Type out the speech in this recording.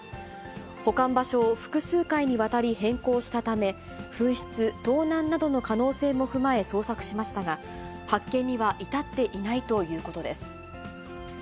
保管場所を複数回にわたり変更したため、紛失、盗難などの可能性も踏まえ、捜索しましたが、発見には至っていないということです。